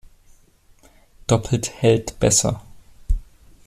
Doppelt hält besser.